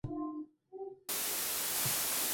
هېڅ څوک د دې حق نه لري.